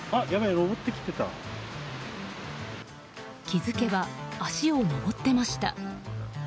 気づけば足を上っていました。